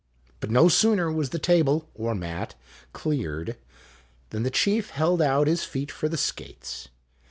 But no sooner was the table or mat cleared, than the chief held out his feet for the skates.